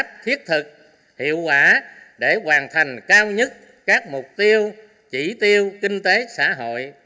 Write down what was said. pháp lập việc phát triển đáp pháp thiết thực hiệu quả để hoàn thành cao nhất các mục tiêu chỉ tiêu kinh tế xã hội